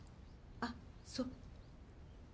あっそう。